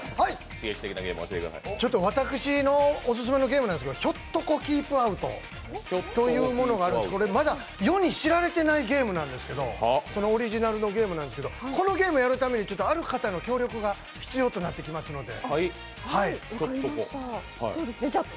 私のおすすめのゲームなんですけどひょっとこキープアウトというまだ世に知られていないゲーム、そのオリジナルのゲームなんですけどこのゲームやるために、ある方の協力が必要となってきますので。